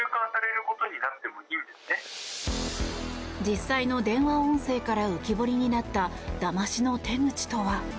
実際の電話音声から浮き彫りになっただましの手口とは。